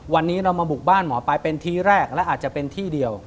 วันนี้เรามาบุกบ้านหมอปลายเป็นที่แรกและอาจจะเป็นที่เดียว